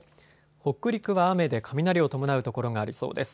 北陸は雨で雷を伴う所がありそうです。